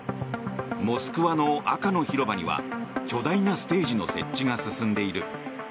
モスクワの赤の広場には巨大なステージの設置が進んでいる。